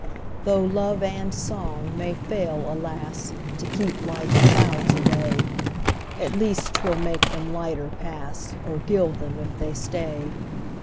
Tho' love and song may fail, alas! To keep life's clouds away, At least 'twill make them lighter pass, Or gild them if they stay.